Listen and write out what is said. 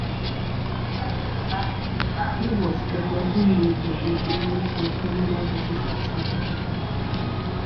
He was a double major in English and Criminal Justice at South Dakota.